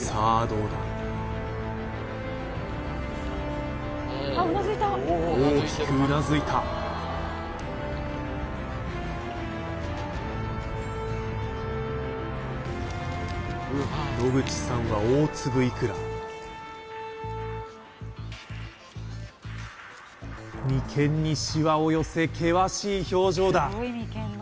どうだ大きくうなずいた野口さんは大粒いくら眉間にシワを寄せ険しい表情だ